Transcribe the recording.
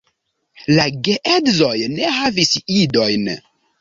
La geedzoj ne havis idojn.